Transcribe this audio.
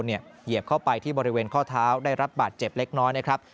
เหยียบเข้าไปที่บริเวณข้อเท้าได้รับบาดเจ็บเล็กน้อยนะครับ